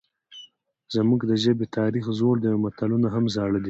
زموږ د ژبې تاریخ زوړ دی او متلونه هم زاړه دي